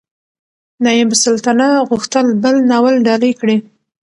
نایبالسلطنه غوښتل بل ناول ډالۍ کړي.